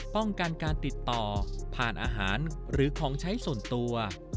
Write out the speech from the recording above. ป้องกันการติดต่อผ่านอาหารหรือของใช้ส่วนตัว